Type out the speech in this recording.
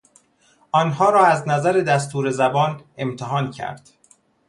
آنها را از نظر دستور زبان امتحان کرد.